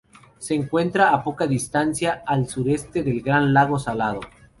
Se encuentra a poca distancia al sureste del Gran Lago Salado.